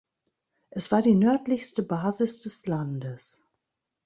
Es war die nördlichste Basis des Landes.